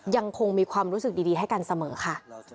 ยังคงมีความรู้สึกดีให้กันเสมอค่ะ